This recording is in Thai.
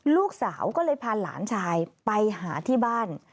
ลูกสาวก็เลยพาหลานชายไปหาที่บ้าน